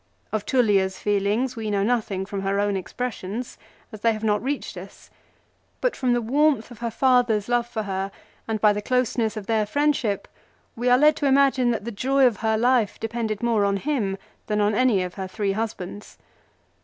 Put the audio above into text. Of Tullia's i'eelings we know nothing from her own expressions, as they have not reached us ; but from the warmth of her father's love for her, and by the closeness of their friendship we are led to imagine that the joy of her life depended more on him than on any of her three husbands.